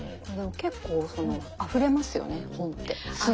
結構あふれますよね本ってすぐ。